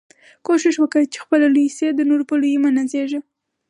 کوښښ وکه، چي خپله لوى سې، د نورو په لويي مه نازېږه!